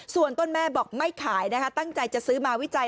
ส่วนต้นแม่บอกไม่ขายนะคะตั้งใจจะซื้อมาวิจัย